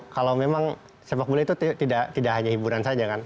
kalau memang sepak bola itu tidak hanya hiburan saja kan